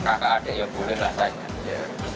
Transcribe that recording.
kakak adik yang boleh tak saing